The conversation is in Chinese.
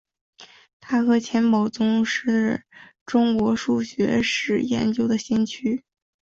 他和钱宝琮同是中国数学史研究的先驱。